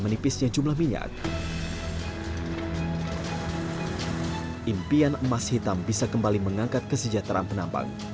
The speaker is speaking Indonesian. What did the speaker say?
menipisnya jumlah minyak impian emas hitam bisa kembali mengangkat kesejahteraan penambang